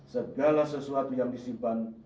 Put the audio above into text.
segala sesuatu yang disimpan